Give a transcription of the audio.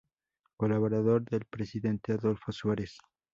Colaborador del presidente Adolfo Suárez.